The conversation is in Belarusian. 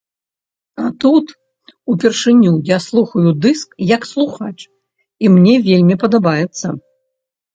А тут, упершыню я слухаю дыск, як слухач, і мне вельмі падабаецца.